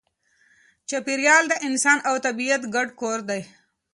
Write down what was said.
چاپېریال د انسان او طبیعت ګډ کور دی.